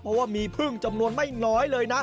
เพราะว่ามีพึ่งจำนวนไม่น้อยเลยนะ